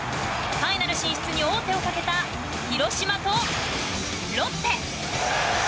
ファイナル進出に王手をかけた広島とロッテ。